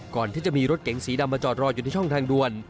ก่อนที่จะมีรถเก๋งสีดำมาจอดรออยู่ที่ช่องทางด่วน